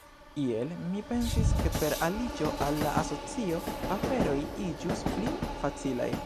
Iel mi pensis ke per aliĝo al la asocio, aferoj iĝus pli facilaj.